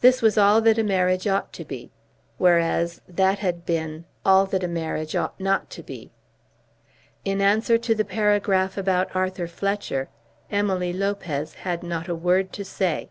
This was all that a marriage ought to be; whereas that had been all that a marriage ought not to be. In answer to the paragraph about Arthur Fletcher Emily Lopez had not a word to say.